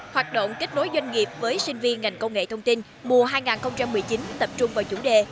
hoạt động kết nối doanh nghiệp với sinh viên ngành công nghệ thông tin mùa hai nghìn một mươi chín tập trung vào chủ đề